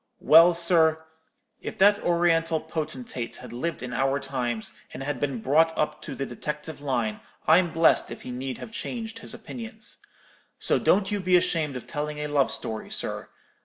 Well, sir, if that Oriental potentate had lived in our times, and been brought up to the detective line, I'm blest if he need have changed his opinions. So don't you be ashamed of telling a love story, sir.